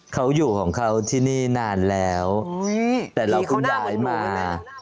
เขาอยู่ของเขาที่นี่นานแล้วแต่เราเพิ่งย้ายมา